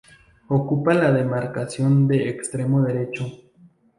Ocupa la demarcación de extremo derecho.